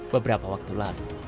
beberapa waktu lalu